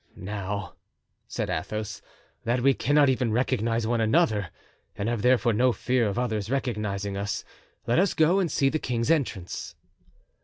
"Now," said Athos, "that we cannot even recognize one another and have therefore no fear of others recognizing us, let us go and see the king's entrance."